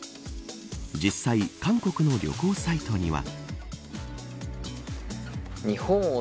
実際、韓国の旅行サイトには。